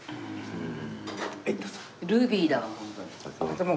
うん！